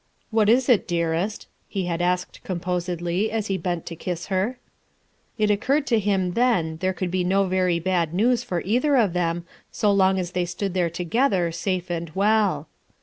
"What is it, dearest?" he had asked compos edly, as he bent to kiss her. It occurred to him then there could be no very bad news for either of them so long as they stood there together, safe and well.